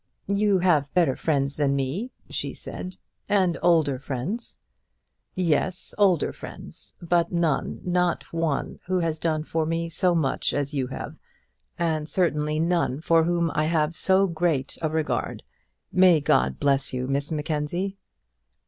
"You have better friends than me," she said, "and older friends." "Yes; older friends; but none, not one, who has done for me so much as you have; and certainly none for whom I have so great a regard. May God bless you, Miss Mackenzie!"